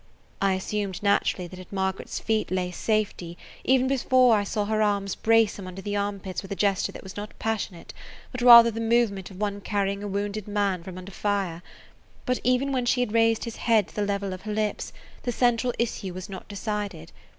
I assumed naturally that at Margaret's feet lay safety even before I saw her arms brace him under the armpits with a gesture that was not passionate, but rather the movement of one carrying a wounded man from under fire. But even when she had raised his head to the level of her lips, the central issue was not decided.